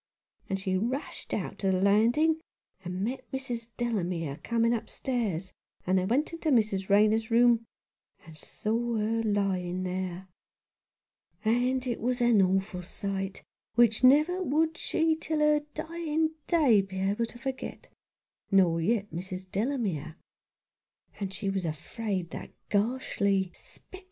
And she rushed out to the landing, and met Mrs. Delamere coming upstairs ; and they went into Mrs. Rayner's room, and saw her lying there. And it was an awful sight, which never would she till her dying day be able to forget — nor yet Mrs. Delamere ; and she was afraid that garshly 96 At Number Thirteen, Dynevor Street.